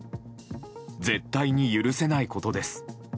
絶対に許せないことです！